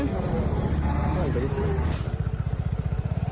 โอ้โห